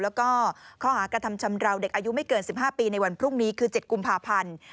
แล้วก็ข้อหากระทำชำราวเด็กอายุไม่เกิน๑๕ปีในวันพรุ่งนี้คือ๗กุมภาพันธ์